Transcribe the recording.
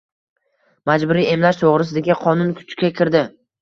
Majburiy emlash toʻgʻrisidagi qonun kuchga kirdi.